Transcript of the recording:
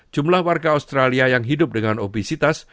jumlah warga australia yang hidup dengan obesitas